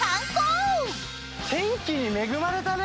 天気に恵まれたね！